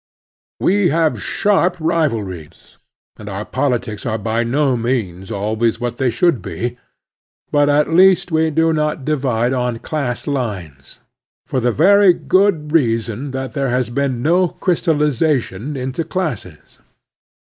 We have sharp rivalries, and our politics are by no means always what they y should be, but at least we do not divide on class P / lines, for the very good reason that there has been \^ no crystallization into classes.